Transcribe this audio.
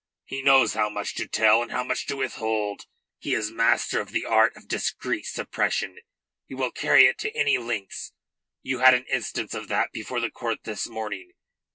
He knows how much to tell and how much to withhold. He is master of the art of discreet suppression. He will carry it to any lengths. You had an instance of that before the court this morning.